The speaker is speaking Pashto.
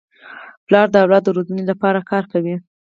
پلار د اولاد د روزني لپاره کار کوي.